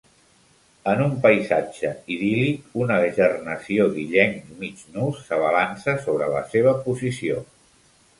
En un paisatge idíl·lic una gernació d'illencs mig nus s'abalança sobre la seva posició.